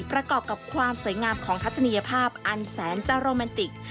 ประกอบกับความสวยงามของทัศนียภาพอันแสนจาโรแมนติก